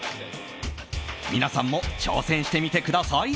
皆さんも挑戦してみてください。